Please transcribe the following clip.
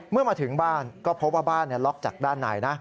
เมื่อมาถึงบ้านก็พบว่าบ้านล็อกจากด้านในนะ